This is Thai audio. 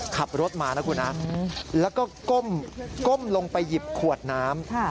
ขับรถมานะคุณนะแล้วก็ก้มลงไปหยิบขวดน้ำ